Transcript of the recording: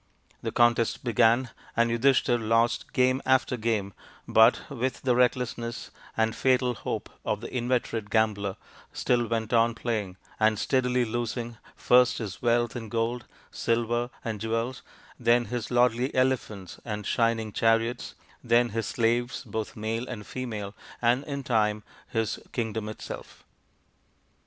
The contest began, and Yudhishthir lost game after game, but, with the recklessness and fatal hope of the inveterate gambler, still went on playing and steadily losing, first his wealth in gold, silver, and jewels, then his lordly elephants and shining chariots, then his slaves both male and female, and in time his kingdom itself.